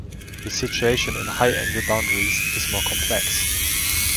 The situation in high-angle boundaries is more complex.